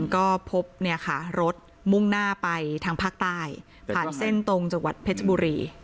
ก็พบเนี่ยค่ะรถมุ่งหน้าไปทางภาคใต้ผ่านเส้นตรงจังหวัดเพชรบุรี